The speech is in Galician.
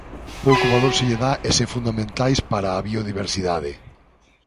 Pouco valor se lle dá e sen fundamentais para a biodiversidade.